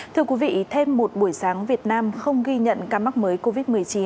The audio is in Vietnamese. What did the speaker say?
thưa quý vị thêm một buổi sáng việt nam không ghi nhận ca mắc mới covid một mươi chín